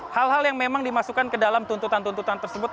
hal hal yang memang dimasukkan ke dalam tuntutan tuntutan tersebut